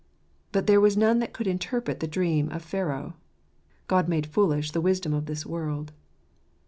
But there was none that could interpret the dream of Pharaoh. " God made foolish the wisdom of this world."